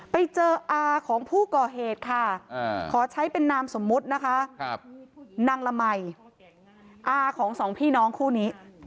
ไปเจออาของผู้ก่อเหตุค่ะขอใช้เป็นนามสมมุตินะคะนางละมัยอาของสองพี่น้องคู่นี้